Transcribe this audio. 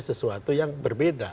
sebagai sesuatu yang berbeda